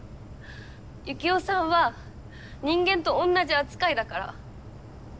ユキオさんは人間と同じ扱いだから。